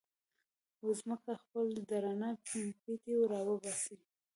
او ځمکه خپل درانه پېټي را وباسي